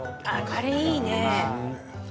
カレーいいね。